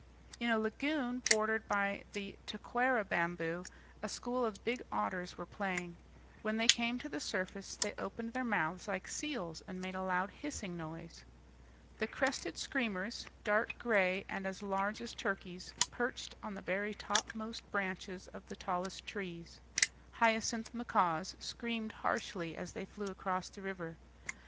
In a lagoon bordered by the taquara bamboo a school of big otters were playing; when they came to the surface, they opened their mouths like seals, and made a loud hissing noise. The crested screamers, dark gray and as large as turkeys, perched on the very topmost branches of the tallest trees. Hyacinth macaws screamed harshly as they flew across the river.